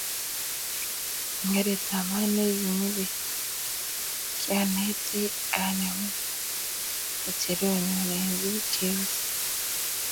Eng karitab maat nikinyii biik, kyanaitei anemu ngecherunnyu eng biik cheyosen